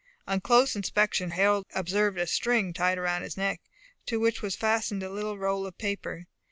On close inspection, Harold observed a string tied round his neck, to which was fastened a little roll of paper.